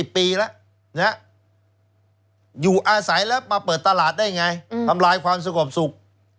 ปีแล้วอยู่อาศัยแล้วมาเปิดตลาดได้ไงทำลายความสงบสุข